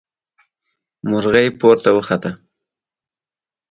مرغۍ پورته وخته.